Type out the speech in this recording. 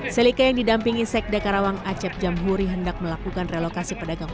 selika yang didampingi sekda karawang acep jamhuri hendak melakukan relokasi pedagang